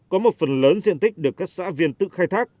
có một phần lớn diện tích được các xã viên tự khai thác